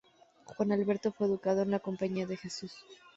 Juan Alberto fue educado en la Compañía de Jesús.